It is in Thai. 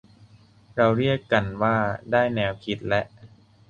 เราเรียกกันว่า ได้แนวคิดและ